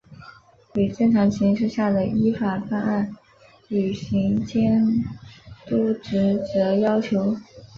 与正常形势下的依法办案、履行监督职责要求